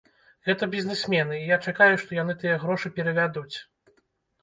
Гэта бізнесмены, і я чакаю, што яны тыя грошы перавядуць.